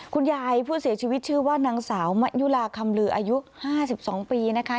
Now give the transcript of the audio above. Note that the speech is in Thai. คุณยายผู้เสียชีวิตชื่อว่านางสาวมะยุลาคำลืออายุ๕๒ปีนะคะ